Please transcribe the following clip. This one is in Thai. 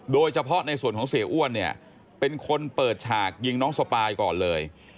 โดยเฉพาะในส่วนของเสียอ้วนเนี่ยเป็นคนเปิดฉากยิงน้องสปายก่อนเลย